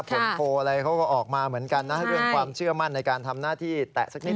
ผลโภอะไรเขาก็ออกมาเหมือนกันนะ